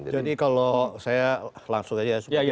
jadi kalau saya langsung saja